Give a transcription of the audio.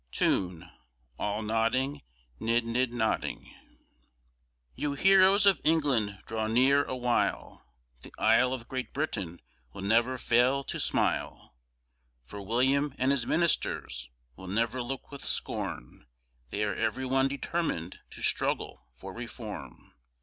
TUNE. "All Nodding, nid, nid, Nodding." You heroes of England draw near awhile, The Isle of Great Britain will ne'er fail to smile, For William and his Ministers will never look with scorn, They are every one determin'd to struggle for Reform.